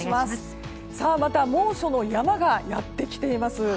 また猛暑の山がやってきています。